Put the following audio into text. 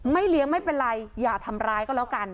เลี้ยงไม่เป็นไรอย่าทำร้ายก็แล้วกัน